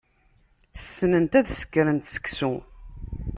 Ssnent ad sekrent seksu.